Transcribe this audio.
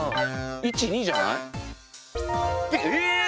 １２じゃない？え！？